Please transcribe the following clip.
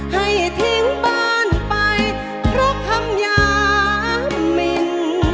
ให้ทิ้งบ้านไปเพราะคำยามิน